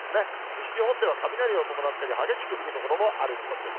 西日本では雷を伴ったり、激しく降る所もある見込みです。